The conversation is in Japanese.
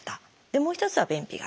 もう一つは「便秘型」。